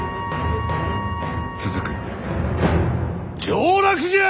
上洛じゃ！